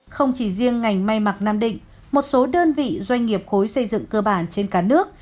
không chỉ riêng ngành may mặc nam định một số đơn vị doanh nghiệp khối xây dựng cơ bản trên cả nước